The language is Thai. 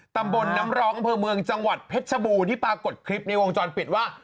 ตำบลน้ำร้องอำเภอเมืองจังหวัดเพชรชบูรณ์ที่ปรากฏคลิปในวงจรปิดว่า